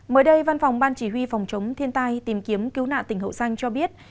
mới đây văn phòng ban chỉ huy phòng chống thiên tai tìm kiếm cứu nạn tỉnh hậu giang cho biết